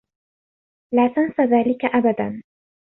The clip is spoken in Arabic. لا تنس ذلك أبدا.